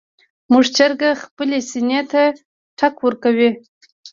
زموږ چرګه خپلې سینې ته ټک ورکوي.